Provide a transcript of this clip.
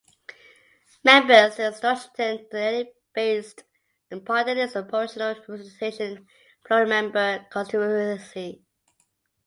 Members to Stortinget are elected based on party-list proportional representation in plural member constituencies.